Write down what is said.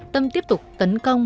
tâm tiếp tục tấn công